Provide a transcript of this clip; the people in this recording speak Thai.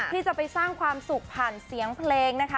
ที่จะไปสร้างความสุขผ่านเสียงเพลงนะคะ